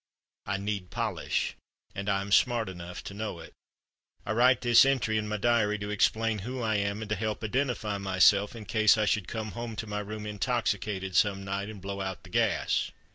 I need polish, and I am smart enough to know it. "I write this entry in my diary to explain who I am and to help identify myself in case I should come home to my room intoxicated some night and blow out the gas.